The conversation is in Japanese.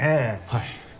はい。